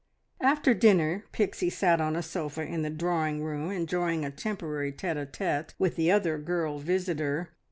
After dinner Pixie sat on a sofa in the drawing room enjoying a temporary tete a tete with the other girl visitor.